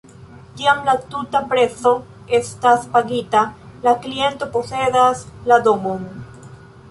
Kiam la tuta prezo estas pagita, la kliento posedas la domon.